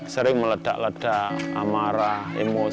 sering meledak ledak amarah emosi